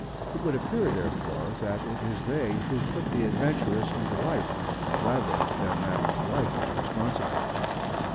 It would appear, therefore, that it is they who put the adventurous into life, rather than that life is responsible.